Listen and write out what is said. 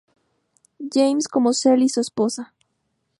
James como Sally su esposa.